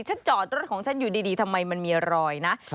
จอดรถของฉันอยู่ดีทำไมมันมีรอยนะ